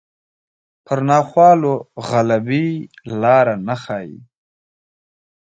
پر ناخوالو غلبې لاره نه ښيي